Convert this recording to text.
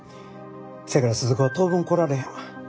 せやから鈴子は当分来られへんわ。